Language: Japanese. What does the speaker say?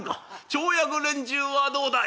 町役連中はどうだ？」。